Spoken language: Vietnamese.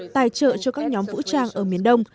tài trợ cho các nhóm vũ trang ở miền đông